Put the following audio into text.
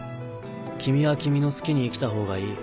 君は君の好きに生きたほうがいい。